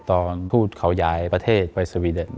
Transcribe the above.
ตอนทูตเขาย้ายประเทศไปสวีเดน